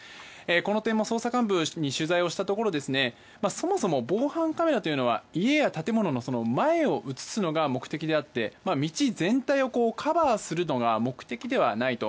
この点も捜査幹部に取材したところそもそも防犯カメラというのは家や建物の前を映すのが目的であって道全体をカバーするのが目的ではないと。